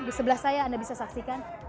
di sebelah saya anda bisa saksikan